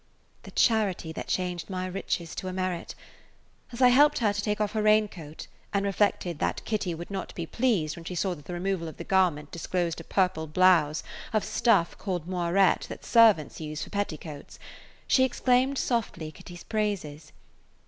The charity that changed my riches to a merit! As I [Page 153] helped her to take off her raincoat and reflected that Kitty would not be pleased when she saw that the removal of the garment disclosed a purple blouse of stuff called moirette that servants use for petticoats, she exclaimed softly Kitty's praises.